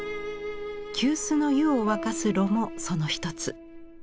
急須の湯を沸かす炉もその一つ。